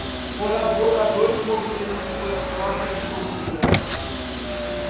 Colaboradores mobilizam suas próprias comunidades